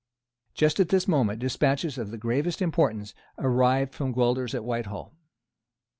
Just at this moment despatches of the gravest importance arrived from Guelders at Whitehall.